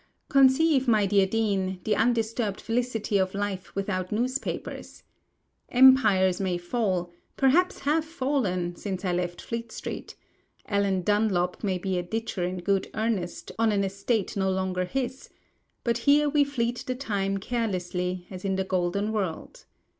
Conceive, my dear Dean, the undisturbed felicity of life without newspapers! Empires may fall, perhaps have fallen, since I left Fleet Street; Alan Dunlop may be a ditcher in good earnest on an estate no longer his; but here we fleet the time carelessly, as in the golden world.